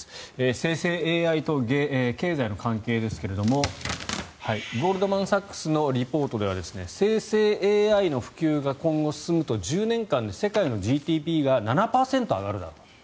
生成ＡＩと経済の関係ですがゴールドマン・サックスのリポートでは生成ＡＩの普及が今後、進むと１０年間で世界のＧＤＰが７％上がると。